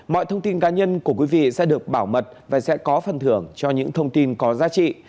mọi thông tin cá nhân của quý vị sẽ được bảo mật và sẽ có phần thưởng cho những thông tin có giá trị